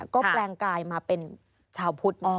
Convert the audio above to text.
ก็แปลงกายมาเป็นชาวพุทธ